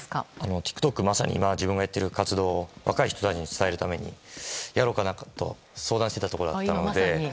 ＴｉｋＴｏｋは自分がやっている活動を若い人たちに伝えるためにやろうかと相談していたところだったので。